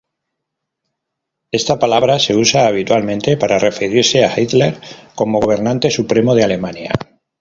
Esta palabra se usa habitualmente para referirse a Hitler como gobernante supremo de Alemania.